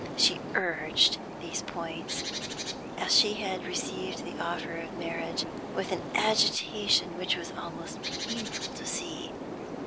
She urged these points, as she had received the offer of marriage, with an agitation which was almost painful to see.